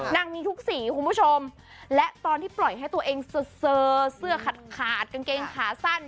นางมีทุกสีคุณผู้ชมและตอนที่ปล่อยให้ตัวเองเซอร์เสื้อขาดขาดกางเกงขาสั้น